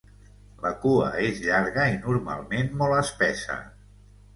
La cua és llarga i, normalment, molt espessa.